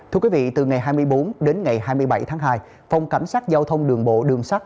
thưa quý vị từ ngày hai mươi bốn đến ngày hai mươi bảy tháng hai phòng cảnh sát giao thông đường bộ đường sắt